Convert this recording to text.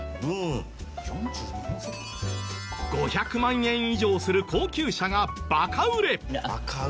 ５００万円以上する高級車がバカ売れ。